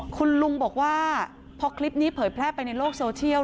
คุณลุงบอกว่าพอคลิปนี้เผยแพร่ไปในโลกโซเชียล